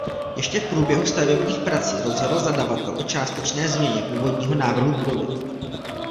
Ještě v průběhu stavebních prací rozhodl zadavatel o částečné změně původního návrhu budovy.